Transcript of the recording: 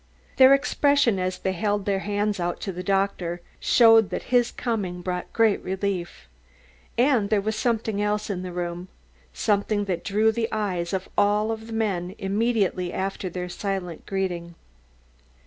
Their expression, as they held out their hands to the doctor, showed that his coming brought great relief. And there was something else in the room, something that drew the eyes of all three of the men immediately after their silent greeting.